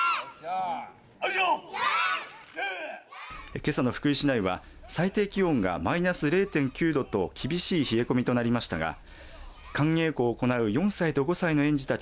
けさの福井市内は最低気温がマイナス０．９度と厳しい冷え込みとなりましたが寒稽古を行う４歳と５歳の園児たち